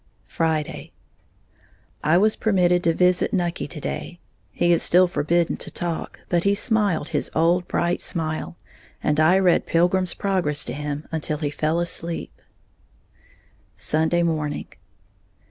Friday. I was permitted to visit Nucky to day. He is still forbidden to talk, but he smiled his old bright smile, and I read Pilgrim's Progress to him until he fell asleep. _Sunday Morning.